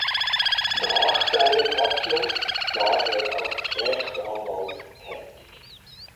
Nach seinem Abschluss war er als Rechtsanwalt tätig.